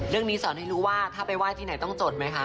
เรื่องนี้สอนให้รู้ว่าถ้าไปว่าที่ไหนต้องจดไหมค่ะ